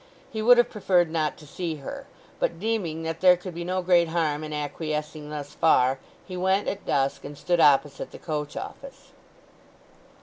He would have preferred not to see her; but deeming that there could be no great harm in acquiescing thus far, he went at dusk and stood opposite the coach office.